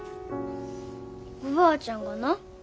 おばあちゃんがな